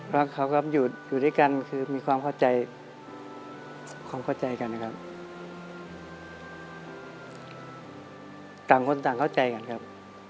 รักเขาก็อยู่ด้วยกันคือมีความเข้าใจความเข้าใจกันนะครับต่างคนต่างเข้าใจกันครับ